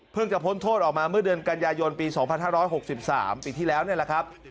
จะพ้นโทษออกมาเมื่อเดือนกันยายนปี๒๕๖๓ปีที่แล้วนี่แหละครับ